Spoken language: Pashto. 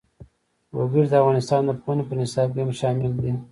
وګړي د افغانستان د پوهنې په نصاب کې هم شامل دي.